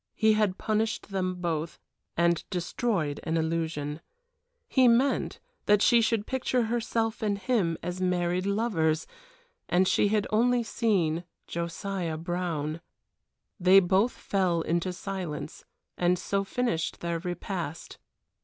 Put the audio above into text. He had punished them both, and destroyed an illusion. He meant that she should picture herself and him as married lovers, and she had only seen Josiah Brown. They both fell into silence and so finished their repast.